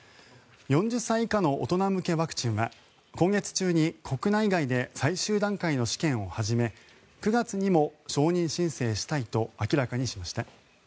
４０歳以下の大人向けワクチンは今月中に国内外で最終段階の試験を始め９月にも承認申請したいと明らかにしました。